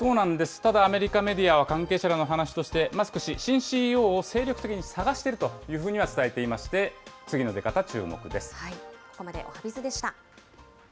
ただ、アメリカメディアは関係者らの話として、マスク氏、新ＣＥＯを精力的に探しているというふうには伝えていまして、次の出方、注目です。